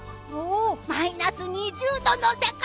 マイナス２０度の世界。